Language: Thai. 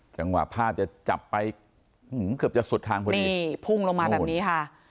จังหวะภาพจะจับไปเกือบจะสุดทางพอดีนี่พุ่งลงมาแบบนี้ค่ะ